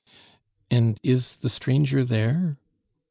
"And is the stranger there?"